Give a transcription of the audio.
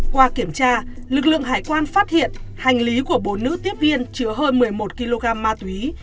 qua kiểm tra lực lượng hải quan phát hiện hành lý của bốn nữ tiếp viên chứa hơn một mươi một kg ma túy